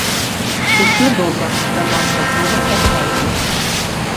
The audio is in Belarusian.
Усё добра, да нас так добра паставіліся.